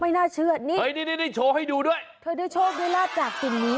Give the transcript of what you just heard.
ไม่น่าเชื่อนี่เฮ้ยนี่นี่นี่โชคให้ดูด้วยเธอได้โชคด้วยราดจากติดนี้